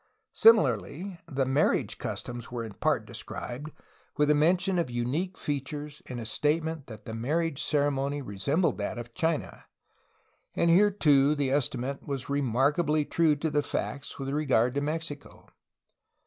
Simi larly, the marriage customs were in part described, with a mention of unique features and a statement that the mar riage ceremony resembled that of China, and here too the estimate was remarkably true to the facts with regard to Mexico.